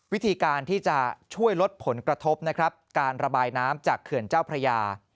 วิธีการที่จะช่วยลดผลกระทบนะครับการระบายน้ำจากเขื่อนเจ้าพระยา